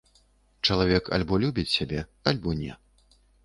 Чалавек альбо любіць сябе, альбо не.